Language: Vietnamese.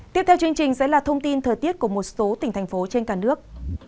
tiếp theo chương trình sẽ là thông tin thời tiết của một số tỉnh thành phố trên cả nước